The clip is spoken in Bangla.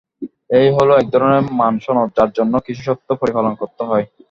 এইও হলো একধরনের মান সনদ, যার জন্য কিছু শর্ত পরিপালন করতে হয়।